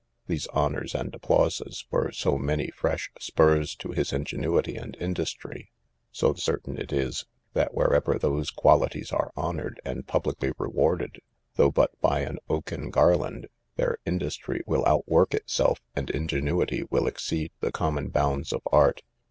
These honours and applauses were so many fresh spurs to his ingenuity and industry; so certain it is, that wherever those qualities are honoured, and publicly rewarded, though but by an oaken garland, there industry will outwork itself, and ingenuity will exceed the common bounds of art.